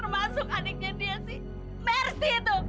masuk adiknya dia sih mersih itu